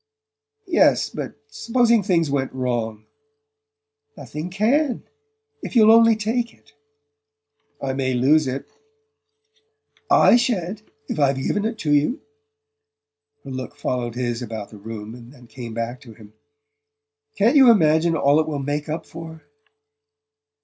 "Yes; but supposing things went wrong?" "Nothing CAN if you'll only take it..." "I may lose it " "I sha'n't, if I've given it to you!" Her look followed his about the room and then came back to him. "Can't you imagine all it will make up for?"